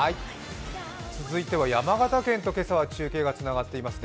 続いては山形県と今朝は中継がつながっていますね。